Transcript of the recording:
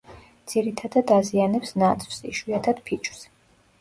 ძირითადად აზიანებს ნაძვს, იშვიათად ფიჭვს.